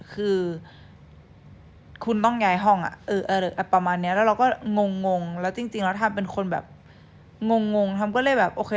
คือคุณต้องย้ายห้องประมาณนี้แล้วเราก็งงแล้วจริงเราทำเป็นคนแบบงงทำก็เลยแบบโอเค